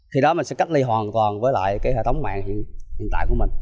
thì đó mình sẽ cách ly hoàn toàn với lại cái hệ thống mạng hiện tại của mình